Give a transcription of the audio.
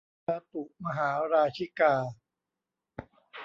จาตุมหาราชิกา